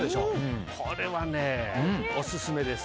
これはオススメです。